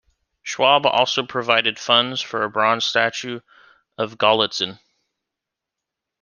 Schwab also provided funds for a bronze statue of Gallitzin.